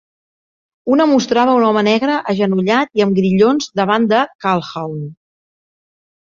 Una mostrava un home negre agenollat i amb grillons davant de Calhoun.